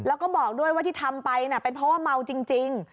แล้วก็บอกด้วยว่าที่ทำไปเป็นเพราะว่าเมาจริง